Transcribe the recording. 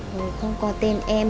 rồi không có tên em